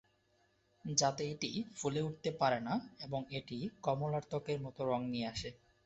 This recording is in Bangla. যাতে এটি ফুলে উঠতে পারে না এবং এটি কমলার ত্বকের মতো রং নিয়ে আসে।